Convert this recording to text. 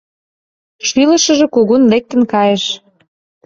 Шӱлышыжӧ кугун лектын кайыш.